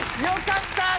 よかった！